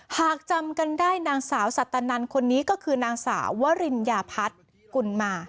หากจำกันได้นางสาวสัตนันคนนี้ก็คือนางสาววริญญาพัฒน์กุลมา